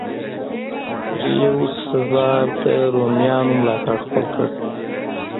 جیولیوس سزار د رومیانو ملاتړ خپل کړ.